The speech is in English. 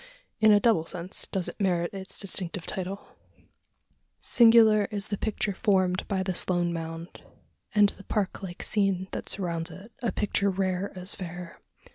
In a double sense, does it merit its distinctive title. Singular is the picture formed by this lone mound, and the park like scene that surrounds it a picture rare as fair.